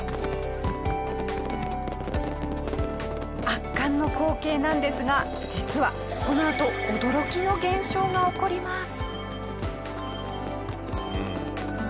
圧巻の光景なんですが実はこのあと驚きの現象が起こります。